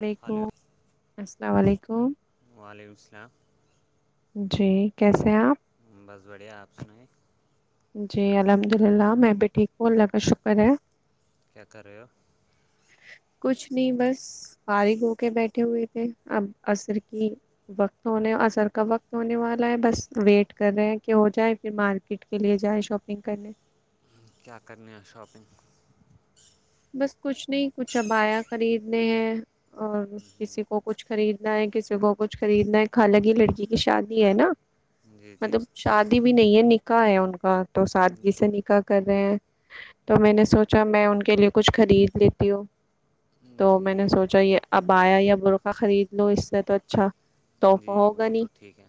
دیکھو ہلو السلام وعلیکم وعلیکم السلام جی کیسے ہیں آپ بس بڑھیا آپ سنائے جی الحمد اللہ میں بھی ٹھیک ہوں اللہ کا شکر ہے کیا کر رہے ہو کچھ نہیں بس فارغ ہو کے بیٹھے ہوئے تھے اب عصر کی وقت ہونے عصر کا وقت ہونے والا ہے بس ویٹ کر رہے ہیں کہ ہو جائے پھر مارکیٹ کے لیے جائیں شاپ پنگ کرنے کیا کرنے ہیں شاپنگ بس کچھ نہیں کچھ ابایا خریدنے ہیں اور کسی کو کچھ خریدنا ہے کسی کو کچھ خریدنا ہے خلا کی لڑکی کی شادی ہے نہ جی جی مطلب شادی بھی نہیں ہے نکاح ہے ان کا تو سادگی سے نکاح کر رہے ہیں تو میں نے جی جی سوچا میں ان کے لیے کچھ خرید لیتی ہوں تو میں نے جی سوچا یہ ابایا یہ برقہ خرید لو اس سے تو اچھا تحفہ جی ہوگا وہ نہیں تو ٹھیک ہے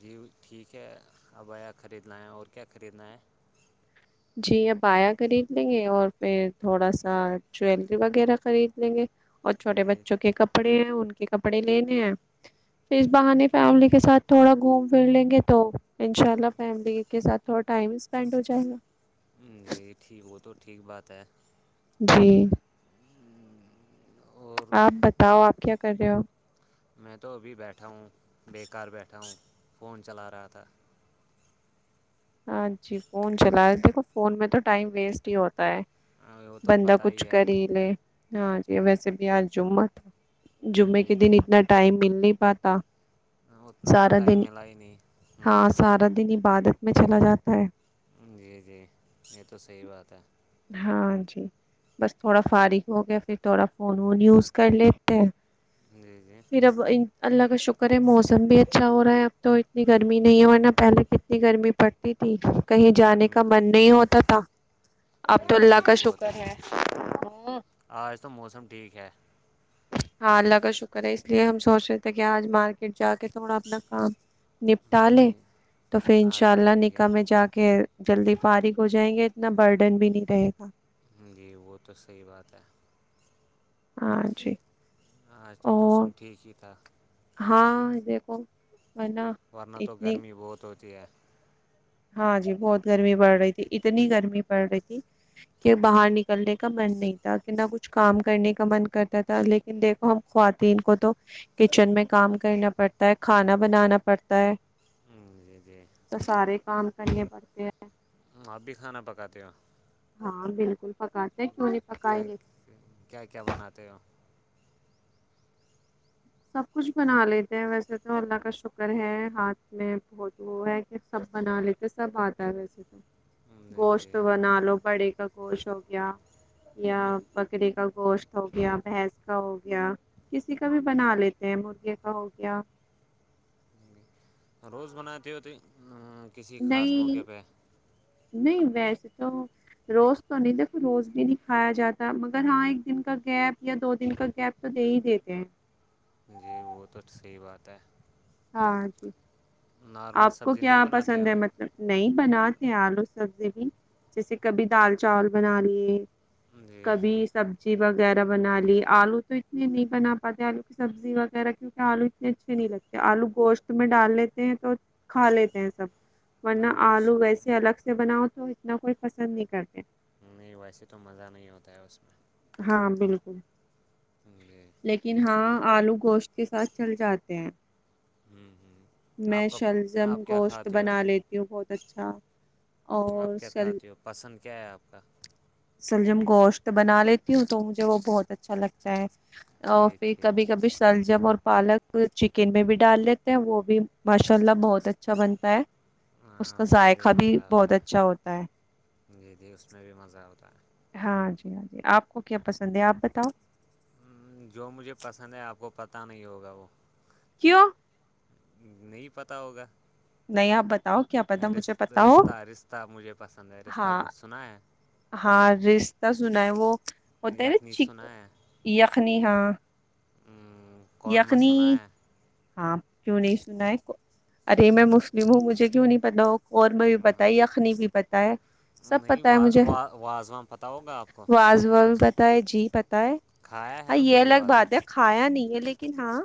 جی ٹھیک ہے ابایا خریدنا ہے اور کیا خریدنا ہے جی ابایا خرید لیں گے اور پھر تھوڑا سا جویلری وغیرہ خرید لیں گے اور چھوٹے جی بچوں کے کپڑے ہیں ان کے کپڑے لینے ہیں اس بہانے فیملی کے ساتھ تھوڑا گھوم پھر لیں گے تو انشاء اللہ فیملی کے ساتھ تھوڑا ٹائم سپینڈ ہو جائے گا ہمم جی ٹھیک وہ تو ٹھیک بات ہے جی ہمممم آپ بتاؤ آپ کیا کر رہے ہو میں تو ابھی بیٹھا ہوں بیکار بیٹھا ہوں فون چلا رہا تھا ہاں جی فون چلا دیکھو فون میں تو ٹائم ویسٹ ہی ہوتا ہے وہ تو بندا پتہ کچھ ہے کر ہی لے ہاں جی ویسے بھی آج جمعہ تھا جمعے جی کے دن جی اتنا ٹائم مل نہیں پاتا اتنا تو سارا دن ٹائم ملا ہی نہیں ہاں ہوں سارا دن عبادت میں چلا جاتا ہے امم جی جی یہ تو صحیح بات ہے ہاں جی بس تھوڑا فارغ ہو گیا پھر تھوڑا فون وون یوز کر لیتے ہیں جی جی پھر اب اللہ کا شکر ہے موسم بھی اچھا ہو رہا ہے اب تو اتنی گرمی نہیں ہے نا پہلے کی اتنی گرمی پڑتی تھی دھوپ کہیں جانے گرمی کا من نہیں ہوتا تھا اب تو جی اللہ گرمی کا بہت شکر ہے آج تو موسم ٹھیک ہے ہاں اللہ کا شکر ہے اس لیے ہم سوچ رہے تھے کہ آج مار جا کے تھوڑا اپنا کام نپٹا جی لے تو پھر ان آج شاء تو اللہ ٹھیک ہے نکاح میں جا کے جلدی فارغ ہو جائیں گے اتنا برڈن بھی نہیں رہے گا جی وہ تو صحیح بات ہے ہاں جی آج تو موسم اور ٹھیک ہی تھا ہاں دیکھو اور نہ ورنہ تو گرمی بہت ہوتی ہے ہاں جی بہت گرمی بڑھ رہی تھی اتنی گرمی بڑھ رہی تھی کہ باہر نکلنے کا من نہیں تھا کہ نہ کچھ کام کرنے کا من کرتا تھا لیکن دیکھو ہم خواتین کو تو کچن میں کام کرنا پڑتا ہے کھانا بنانا پڑتا ہے امم جی جی تو سارے کام کرنے پڑتے ہیں ام آپ بھی کھانا پکاتے ہو ہاں بالکل پکاتے ہے کیوں نہیں پکائے کیا گے کیا کیا بناتے ہو سب کچھ بنا لیتے ہیں ویسے تو اللہ کا شکر ہے ہاتھ میں بہت وہ ہے سب بنا لیتے سب آتا ہے ویسے تو جی گوشت جی بنا لو بڑے کا گوشت ہو گیا یا بکرے کا گوشت ہو گیا بھینس کا ہو گیا کسی کا بھی بنا لیتے ہیں مرغے کا ہو گیا امم روز بناتے ہو تے امم نہیں نہیں نہیں ویسے تو روز تو نہیں دیکھو روز بھی نہیں کھایا جاتا مگر ہاں ایک دن کا گیپ یا دو دن کا گیپ تو دے ہی دیتے ہیں جی وہ تو صحیح بات ہے ہاں جی نارمل آپ کو سبزی نہیں کیا بناتے پسند ہو ہے نہیں بناتی ہوں آلو سبزی بھی جیسے کبھی دال چاول بنا لیے جی کبھی جی سب سبزی وغیرہ بنا لی آلو تو اتنی نہیں بنا پاتے آلو کی سبزی وغیرہ کیونکہ آلو اتنے اچھے نہیں لگتے آلو گوشت میں ڈال لیتے ہیں تو کھا لیتے ہیں سب میں ورنہ وہ آلو ویسے وہ الگ سے بناؤ تو اتنا کوئی پسند نہیں کرتے نہیں ویسے تو مزہ نہیں ہوتا ہے اس میں ہاں بالکل امم جی لیکن ہاں آلو گوشت کے ساتھ چل جاتے ہیں ہوں ہوں میں آپ کا شلزم آپ کیا گوشت کھاتے ہو بنا لیتی ہوں بہت اچھا اور آپ کیا شل کھاتے ہو پسند کیا ہے آپ کا شلجم گوشت بنا لیتی ہوں تو مجھے وہ بہت اچھا لگتا ہے اور ٹھیک پھر ٹھیک کبھی کبھی شلجم اور پالک چکن میں بھی ڈال لیتے ہیں وہ بھی ماشاء اللہ بہت اچھا بنتا ہے اس ہاں کا میں ذائقہ بھی مزہ بہت ہوتا اچھا ہوتا ہے جی جی اس میں بھی مزہ ہوتا ہے ہاں جی آپ کو کیا پسند ہے آپ بتاؤ جو مجھے پسند ہے آپ کو پتا نہیں ہوگا وہ کیوں نہیں پتا ہوگا نہیں آپ بتاؤ کیا پتا مجھے پتا ہو رستہ رستہ مجھے پسند ہے رستہ ہاں بت سنا ہے ہاں رستہ سنا ہے وہ ہوتا ہے نا یخنی چی سنا یخنی ہاں ہوں یخنی ہاں کیوں نہیں سنا ہے ارے میں مسلم ہوں مجھے کیوں نہیں پتا ہو قورمہ بھی پتا ہے یخنی بھی پتا ہے سب پتا ہے مجھے وازان واز و پتا ہے جی پتا ہے کھایا ہاں ہے یہ کبھی الگ بات ہے کھایا نہیں ہے لے لیکن ہاں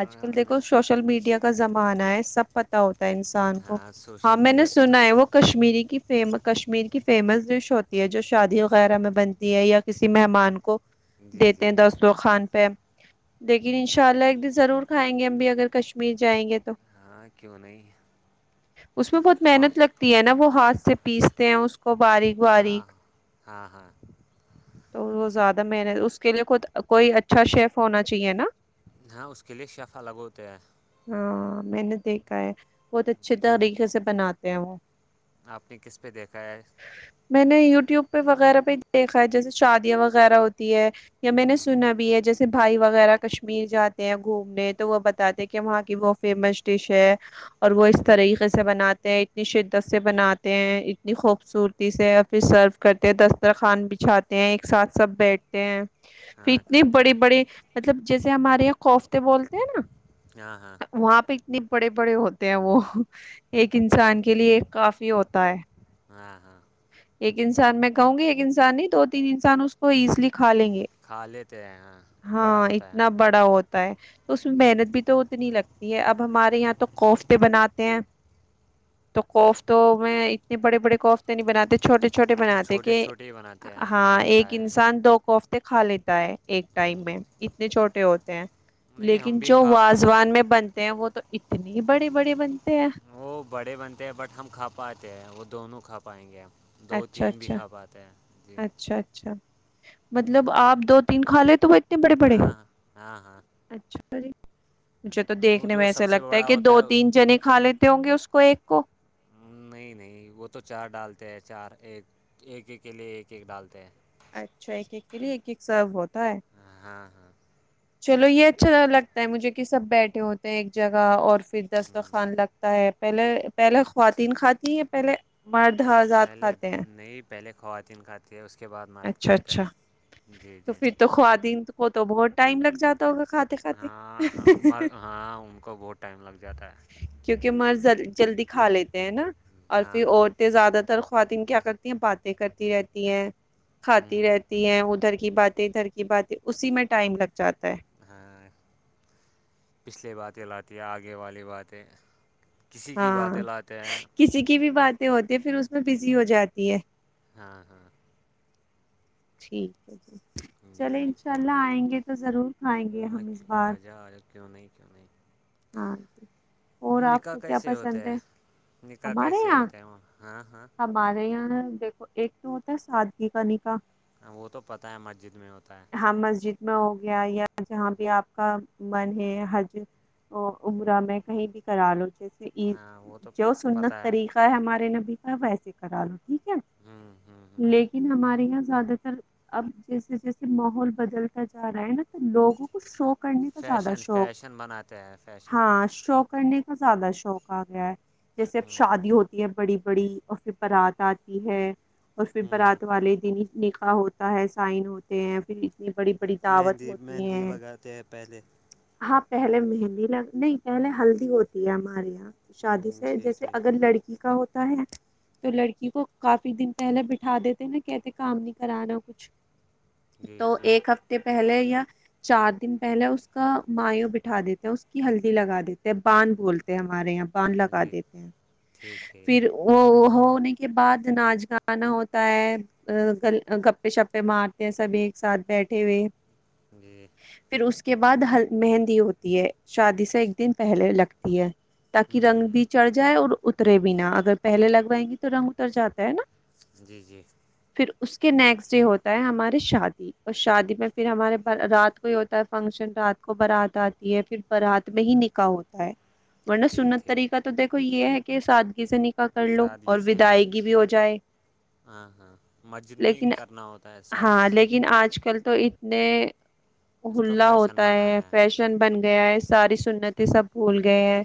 آج کل دیکھو سوشل میڈیا کا زمانہ ہے سب پتا ہوتا ہے انسان کو ہاں ہاں سوشل میں نے میڈیا پہ تو سنا ہے وہ کشمیری کی فیم کشمیر کی فیمس ڈش ہوتی ہے جو شادی وغیرہ میں بنتی ہے یا کسی مہمان کو کو جی دیتے ہیں جی دسترخان پہ لیکن انشاء اللہ ایک دن ضرور کھائیں گے ہم بھی اگر کشمیر جائیں گے تو ہاں کیوں نہیں اس میں بہت وہاں محنت لگتی ہے نا وہ ہاتھ سے پیستے ہیں اس کو باریک ہاں باریک ہاں ہاں تو وہ زیادہ محنت اس کے لیے کوئی اچھا شیف ہونا چاہیے نا ہاں اس کے لئے شیف الگ ہوتے ہیں ہاں میں نے دیکھا ہے بہت اچھے یوز طریقے سے بناتے ہیں وہ آپ نے کس پہ دیکھا ہے میں نے یوٹیوب پہ وغیرہ پہ دیکھا ہے جیسے شادیاں وغیرہ ہوتی ہے یا میں نے ہوں ہوں سنا بھی ہے جیسے بھائی وغیرہ کشمیر جاتے ہیں گھومنے تو وہ بتاتے کہ وہاں کی وہ فیمس ڈش ہے اور وہ اس ہوں طرح سے بناتے ہیں اتنی شدت سے بناتے ہیں اتنی خوبصورتی سےیا پھر سرف کرتے دستر خان بیچھاتے ایک ساتھ سب بیٹھتے ہیں پھر ہاں اتنے کھاتے بڑے ہیں بڑے مطلب جیسے ہمارے یہاں خوف تے بولتے ہیں نا ہاں ہاں وہاں پہ اتنے بڑے بڑے ہوتے ہیں وہ ایک انسان کے لیے ایک کافی ہوتا ہے ہاں ہاں ایک انسان میں کہوں گی ایک انسان نہیں دو تین انسان اس کو ایزلی کھا لیں گے کھا لیتے ہیں ہاں بڑا ہاں ہوتا ہے اتنا بڑا ہوتا ہے تو اس میں ہوں محنت بھی تو اتنی لگتی یہ اب ہمارے یہاں تو کوف تے بناتے ہیں تو قفتو میں اتنے بڑے بڑے کوف تو نہیں بناتے چھوٹے چھوٹے وہ بناتے چھوٹے کہ چھوٹے ہی بناتے ہیں میں نے ہاں بھی ایک کھایا ہے انسان دو کوفتے کھا لیتا ہے ایک ہوں ٹائم میں ہوں اتنے چھوٹے ہوتے ہیں نہیں ہم لیکن بھی جو کھا واازوان میں بنتے ہیں وہ تو اتنی بڑی بڑی بنتے ہیں وہ بڑے بنتے ہیں بٹ ہم کھا پاتے ہیں وہ دونوں کھا پائیں گے ہم دو اچھا تین بھی اچھا کھا پاتے ہیں جی اچھا اچھا جی مطلب جی آپ دو تین کھا لے تو وہ اتنے بڑے بڑے ہاں ہاں ہاں اچھا مجھے تو وہ دیکھنے جو میں ایسا سب سے لگتا ہے بڑا کہ ہوتا دو تین جنے کھا لیتے ہوں گے اس کو ایک کو نہیں نہیں وہ تو چار ڈالتے ہیں چار ایک ایک ایک کے لیے ایک ایک ڈالتے ہیں اچھا ایک ایک کے لیے ایک ایک ایک سرو ہوتا ہے ہ ہاں ہاں چلو یہ اچھا لگتا ہے مجھے کہ سب بیٹھے ہوتے ہیں ایک جگہ اور پھر ہوں دسترخوان لگ ہے پہلے پہلے خواتین کھاتی ہیں یا پہلے مرد حضرات پہلے کھاتے ہیں نہیں پہلے خواتین کھاتی ہے اس کے بعد مرد اچھا کھاتے اچھا ہیں جی تو جی پھر تو خواتین کو تو بہت ٹائم لگ جاتا ہوگا کھاتے ہاں ہم کھاتے م ہاں ان کو بہت ٹائم لگ جاتا ہے کیونکہ مرد جلدی کھا لیتے ہیں نا اور ہاں پھر ہاں عورتیں زیادہ تر خواتین کیا کرتی ہیں باتیں کرتی رہتی ہیں کھاتی ہوں رہتی ہیں ادھر کی باتیں ادھر کی باتیں اسی میں ٹائم لگ جاتا ہے ہاں پچھلے باتیں لاتی ہے آگے والی باتیں کسی کی ہاں باتیں لاتے ہیں کسی کی بھی باتیں ہوتی ہے پھر اس میں بزی ہو جاتی ہے ہاں ہاں ٹھیک ہے جی جی چلے جی انشاء اللہ آئیں گے تو ضرور کھائیں گے ہاں ہم اس بار آ جا آ جا کیوں نہیں کیوں نہیں ہاں جی اور آپ نکاح کو کیا کیسے ہوتے پسند ہے ہیں نکاح ہمارے کیسے یہاں ہوتے ہیں وہ ہاں ہاں ہمارے یہاں دیکھو ایک تو ہوتا ہے سادگی کا نکاح ہاں وہ تو پتہ ہے مسجد میں ہوتا ہے ہاں مسجد میں ہو گیا یا جہاں بھی آپ کا من ہے حج ا عمرہ ہوں میں کہیں بھی کرا لو جیسےکی ہاں وہ تو جو پتہ سنت طریقہ ہے ہمارے نبی کا ویسے کرا لو ٹھیک ہے ہمم ھمم لیکن ہمارے یہاں زیادہ تر اب جیسے جیسے ماحول بدلتا جا رہا ہے نا تو لوگوں کو شو کرنے کا زیادہ فیشن شوق فیشن بناتے ہیں فیشن ہاں شو کرنے کا زیادہ شوق آ گیا ہے جیسے اب ہوں ہوں شادی ہوتی ہے بڑی بڑی اور پھر بارات آتی ہے اور پھر ہوں بارات والے دن نکاح ہوتا ہے سائن ہوتے ہیں پھر نی بڑی بڑی دعوت مہندی ہوتی مہندی ہیں لگاتے ہیں پہلے ہاں پہلے مہندی لگ نہیں پہلے ہلدی ہوتی ہے ہمارے یہاں شادی ہوں، سے ٹھیک جیسے ٹھیک اگر لڑکی کا ہوتا ہے تو لڑکی کو کافی دن پہلے بٹھا دیتے نا کہتے کام نہیں کرانا کچھ جی تو جی ایک ہفت اے پہلے یا چار دن پہلے اس کا مایو بٹھا دیتے ہیں اس کی ہلدی لگا دیتے باندھ بولتے ہیں ہمارے یہاں بانھ لگا جی دیتے ہیں ٹھیک ٹھیک پھر وہ ہونے کے بعد ناچ گانا ہوتا ہے ا گل گپے شپے مارتے ہیں سب ایک ساتھ بیٹھے ہوئے جی پھر اس کے بعد ہل مہندی ہوتی ہے شادی سے ایک دن پہلے لگتی ہے تاکہ رنگ ہوں بھی چڑھ جائے اور اترے بھی نا اگر پہلے لگوائیں گی تو رنگ اتر جاتا ہے نا جی جی پھر اس کے نیکسٹ ڈے ہوتا ہے ہماری شادی اور شادی میں پھر ہمارے رات کو ہی ہوتا ہے فنکشن رات کو بارات آتی ہے پھر برات میں ہی نکاح ہوتا ہے ورنہ ٹھیک سنت طریقہ ٹھیک تو دیکھو یہ ہے کہ سادگی سے نی کا کر لو سادگی اور سے جی ودائیگی بھی ہو جائے ہاں ہاں مسجد میں لیکن کرنا ہوتا ہے سادی ہاں لیکن آج کل تو اتنے اس کا ہلا فیشن ہوتا بنا ہے فیش شن بن گیا ہے ساری سننتے سب بھول گئے ہے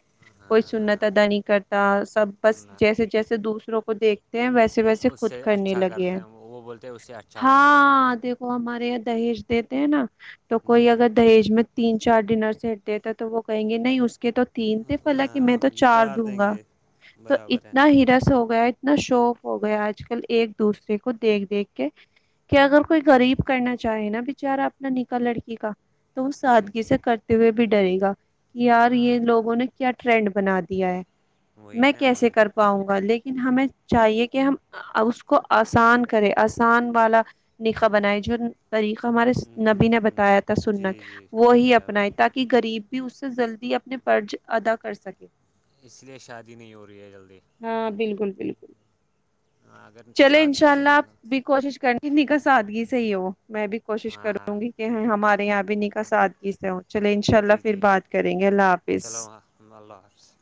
کوئی ہاں سنت ادا نہیں کرتا سب بس ہاں جیسے جیسے دوسروں کو دیکھتے ہیں ویسے ویسے خود کرنے لگے ہیں تو اسے اچھا ہونا چاہیے ہاں دیکھو ہمارے یہاں دہیج دیتے ہیں نا تو کوئی جی جی اگر دہیج میں تین چار ڈنر سیٹ دیتا تو وہ کہیں گے نہیں اس کے تو تین تھے حالانکہ میں ہاں تو ہم چار دوں دیں گا گے تو برابر ہے اتنا ہرس ہو گیا اتنا شو اف ہو گیا آج کل ایک دوسرے کو دیکھ دیکھ کے کہ اگر کوئی غریب کرنا چاہے نا بچارا اپنا نکاح لڑکی کا تو وہ جی سادگی جی سے کرتے ہوئے بھی ڈرے گا کہ یار یہ ہاں لوگوں نے کیا ٹرینڈ بنا دیا ہے وہی میں نا کیسے وہی کر پاؤں گا لیکن ہمیں چاہیے کہ ہم اس کو آسان کرے آسان والا نکاح بنائے جو طریقہ ہمارے نبی نے بتایا تھا سنت جی جی وہی برابر اپنائے تاکہ غریب بھی اس سے جلدی اپنے فرج ادا کر سکے اس لیے شادی نہیں ہو رہی ہے جلدی ہاں بالکل بالکل اگر چلے سادگی انشاء سے اللہ نکاح آپ کوشش کرنی نکاح سادگی سی ہو میں بھی کوشش ہاں ہاں کروں گی کہ ہمارے یہاں بھی نکاح سادگی سے ہو چلے انشاء جی اللہ پھر جی بات کریں گے اللہ حافظ چلو [unintelligible] اللہ حافظ